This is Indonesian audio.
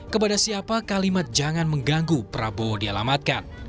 kepada siapa kalimat jangan mengganggu prabowo dialamatkan